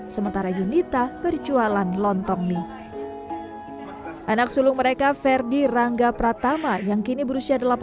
sementara yunita perjualan lontong nih anak sulung mereka ferdi rangga pratama yang kini berusia delapan belas